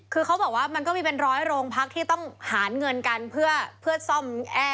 คือเขาบอกว่ามันก็มีเป็นร้อยโรงพักที่ต้องหาเงินกันเพื่อซ่อมแอร์